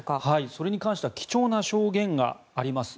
それに関しては貴重な証言があります。